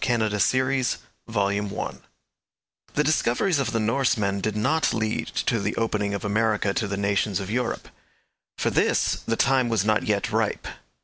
CHAPTER V THE BRISTOL VOYAGES The discoveries of the Norsemen did not lead to the opening of America to the nations of Europe. For this the time was not yet ripe.